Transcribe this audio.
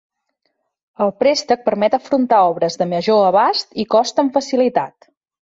El préstec permet afrontar obres de major abast i cost amb facilitat.